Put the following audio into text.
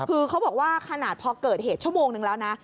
คือเขาบอกว่าขนาดพอเกิดเหตุชั่วโมงนึงแล้วนะ